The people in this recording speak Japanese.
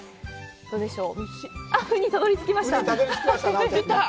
どうでしょう？